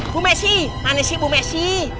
bu messi mana sih bu messi